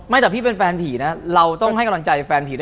ไม่แต่พี่เป็นแฟนผีนะเราต้องให้กระด่อนใจแฟนผีด้วย